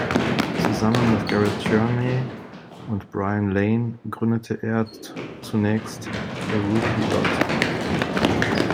Zusammen mit Garrett Tierney und Brian Lane gründete er zunächst The Rookie Lot.